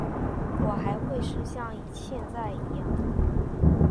我还会是像现在一样